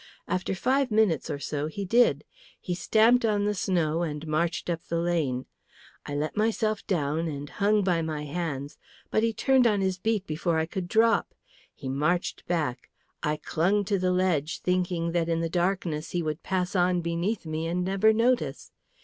After five minutes or so he did. He stamped on the snow and marched up the lane. I let myself down and hung by my hands, but he turned on his beat before I could drop. He marched back; I clung to the ledge, thinking that in the darkness he would pass on beneath me and never notice.